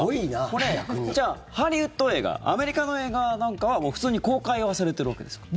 これ、ハリウッド映画アメリカの映画なんかは普通に公開はされてるわけですか？